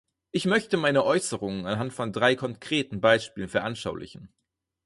Ich möchte meine Äußerungen anhand von drei konkreten Beispielen veranschaulichen.